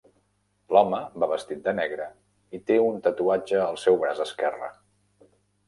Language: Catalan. L'home va vestit de negre i té un tatuatge al seu braç esquerre